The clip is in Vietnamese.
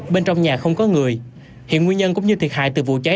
bên trong nhà không có người hiện nguyên nhân cũng như thiệt hại từ vụ cháy